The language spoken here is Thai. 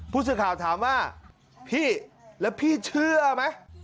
ผู้สื่อข่าวถามว่าพี่แล้วพี่เชื่อไหม